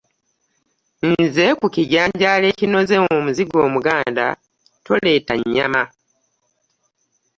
Nze ku kijanjaalo ekinoze omuzigo omuganda toleeta nnyama.